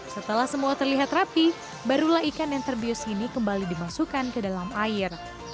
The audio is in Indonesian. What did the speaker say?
setelah semua terlihat rapi barulah ikan yang terbius ini kembali dimasukkan ke dalam air